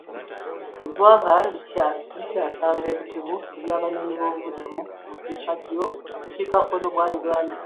Eggwanga likyasanga ebizibu by'abanoonyiboobubudamu mu bukiikakkono bwa Uganda.